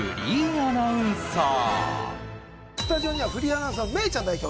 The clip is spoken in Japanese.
スタジオにはフリーアナウンサーのメイちゃん代表